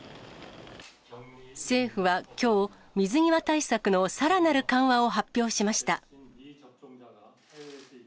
政府はきょう、水際対策のさらなる緩和を発表しました。